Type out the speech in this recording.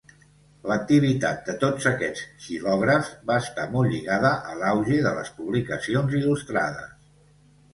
L'activitat de tots aquests xilògrafs va estar molt lligada a l'auge de les publicacions il·lustrades.